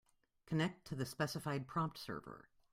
Connect to the specified prompt server.